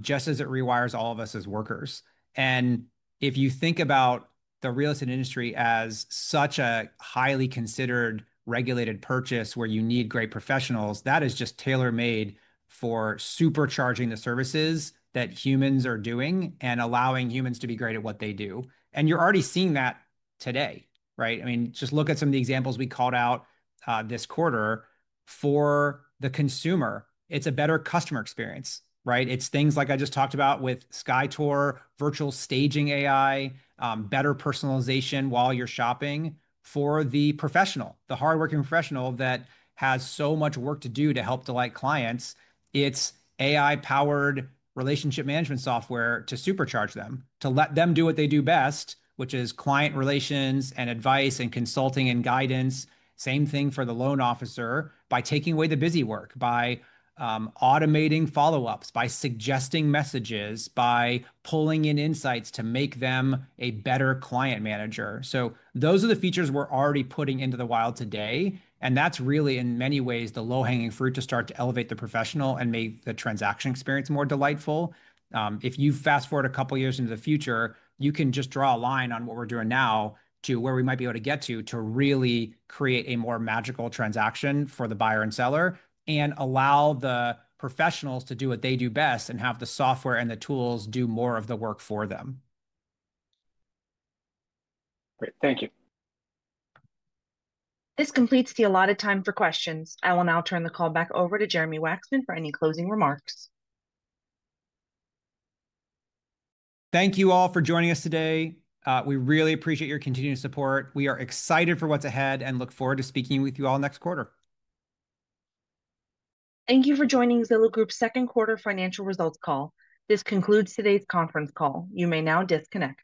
just as it rewires all of us as workers. If you think about the real estate industry as such a highly considered, regulated purchase where you need great professionals, that is just tailor-made for supercharging the services that humans are doing and allowing humans to be great at what they do. You are already seeing that today, right? I mean, just look at some of the examples we called out this quarter. For the consumer, it's a better customer experience, right? It's things like I just talked about with SkyTour, Virtual Staging AI, better personalization while you're shopping. For the professional, the hard-working professional that has so much work to do to help delight clients, it's AI-powered relationship management software to supercharge them, to let them do what they do best, which is client relations and advice and consulting and guidance. The same thing for the loan officer, by taking away the busy work, by automating follow-ups, by suggesting messages, by pulling in insights to make them a better client manager. Those are the features we're already putting into the wild today, and that's really in many ways the low-hanging fruit to start to elevate the professional and make the transaction experience more delightful. If you fast forward a couple of years into the future, you can just draw a line on what we're doing now to where we might be able to get to, to really create a more magical transaction for the buyer and seller and allow the professionals to do what they do best and have the software and the tools do more of the work for them. Great, thank you. This completes the allotted time for questions. I will now turn the call back over to Jeremy Wacksman for any closing remarks. Thank you all for joining us today. We really appreciate your continued support. We are excited for what's ahead and look forward to speaking with you all next quarter. Thank you for joining Zillow Group's second quarter financial results call. This concludes today's conference call. You may now disconnect.